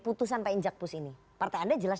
putusan pak injakpus ini partai anda jelas